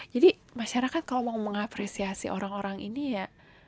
jadi masyarakat kalau mau mengapresiasi orang orang ini ya